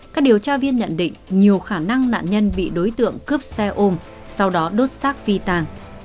các điều tra viên nhận định nhiều khả năng nạn nhân bị đối tượng cướp xe ôm sau đó đốt xác phi tàng